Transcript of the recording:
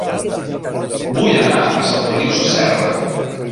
Vull anar a Sant Feliu Sasserra